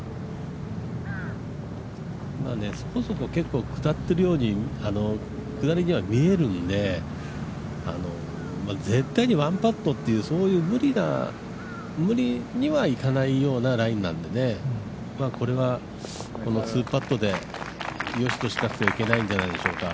そこそこ下っているように下りには見えるので絶対に１パットっていう、そういう無理にはいかないようなラインなんでね、これは２パットでよしとしなくちゃいけないんじゃないでしょうか。